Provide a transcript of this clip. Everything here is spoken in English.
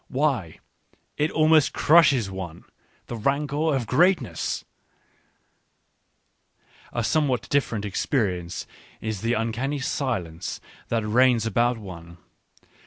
Why, it almost crushes one ! The rancour of greatness ! A some l what different experience is the uncanny silence that reigns about one.